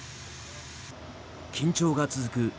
緊張が続く